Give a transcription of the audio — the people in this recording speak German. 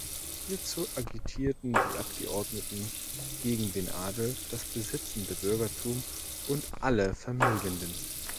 Hierzu agitierten die Abgeordneten gegen den Adel, das besitzende Bürgertum und alle Vermögenden.